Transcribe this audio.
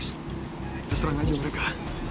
kita serang aja mereka